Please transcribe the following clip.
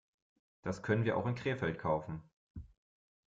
Das können wir auch in Krefeld kaufen